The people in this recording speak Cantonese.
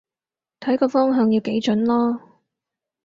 睇個方向要幾準囉